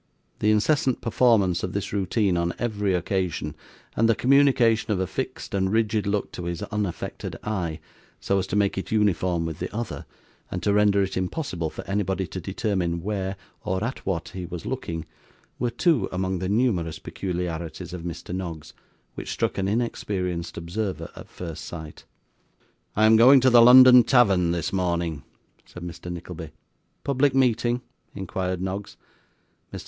The incessant performance of this routine on every occasion, and the communication of a fixed and rigid look to his unaffected eye, so as to make it uniform with the other, and to render it impossible for anybody to determine where or at what he was looking, were two among the numerous peculiarities of Mr. Noggs, which struck an inexperienced observer at first sight. 'I am going to the London Tavern this morning,' said Mr. Nickleby. 'Public meeting?' inquired Noggs. Mr.